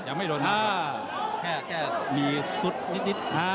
แค่มีสุดนิด